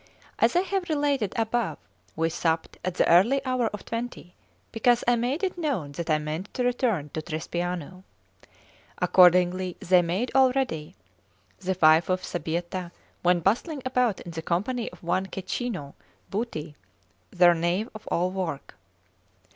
As I have related above, we supped at the early hour of twenty, because I made it known that I meant to return to Trespiano. Accordingly they made all ready; the wife of Sbietta went bustling about in the company of one Cecchino Buti, their knave of all work.